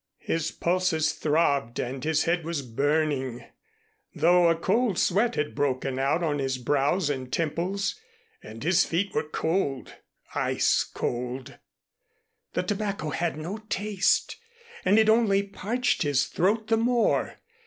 His pulses throbbed and his head was burning, though a cold sweat had broken out on his brows and temples, and his feet were cold ice cold. The tobacco had no taste, and it only parched his throat the more.